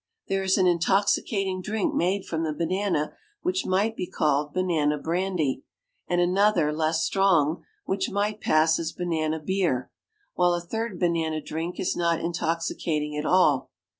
There is an intoxicating drink made from the banana which might be called banana brandy; and another, less strong, which might pass as banana beer; while a third banana drink is not intoxicating at all.